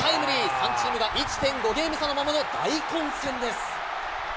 ３チームが１．５ゲーム差のままの大混戦です。